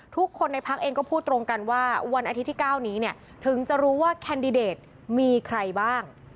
ทุกคนในพักเองก็พูดตรงกันว่าวันอาทิตย์ที่๙นี้เนี่ยถึงจะรู้ว่าแคนดิเดตมีใครบ้าง